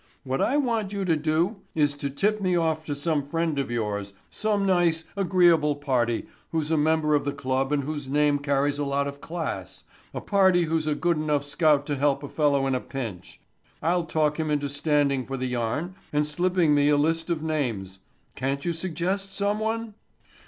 What I want you to do is to tip me off to some friend of yours, some nice, agreeable party who's a member of the club and whose name carries a lot of class, a party who's a good enough scout to help a fellow in a pinch. I'll talk him into standing for the yarn, and slipping me a list of names. Can't you suggest someone?"